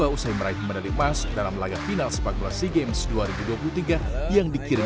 usai meraih menarik mas dalam laga final sepakbola sea games dua ribu dua puluh tiga yang dikirim